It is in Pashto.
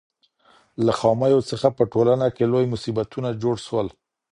له خامیو څخه په ټولنه کې لوی مصیبتونه جوړ سول.